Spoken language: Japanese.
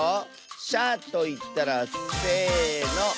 「しゃ」といったらせの。